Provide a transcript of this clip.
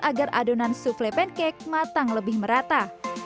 agar adonan souffle pancake matang lebih merata